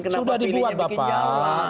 kenapa pilihnya bikin jalan